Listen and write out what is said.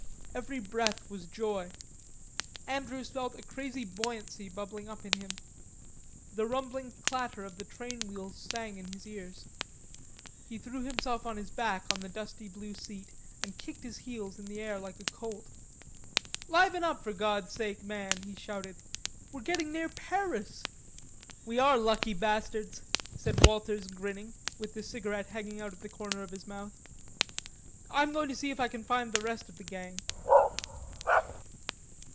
Every breath was joy. Andrews felt a crazy buoyancy bubbling up in him. The rumbling clatter of the train wheels sang in his ears. He threw himself on his back on the dusty blue seat and kicked his heels in the air like a colt. "Liven up, for God's sake, man," he shouted. "We're getting near Paris." "We are lucky bastards," said Walters, grinning, with the cigarette hanging out of the corner of his mouth. "I'm going to see if I can find the rest of the gang."